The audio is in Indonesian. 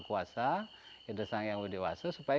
supaya dirima children terneh